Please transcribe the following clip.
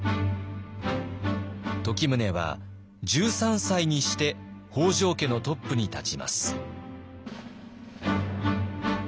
時宗は１３歳にして北条家のトップに立ちます。